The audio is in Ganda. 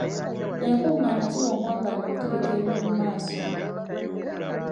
Enkungaana ziwa omwagaanya okutegeka eby'omumaaso.